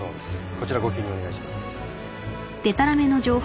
こちらご記入お願いします。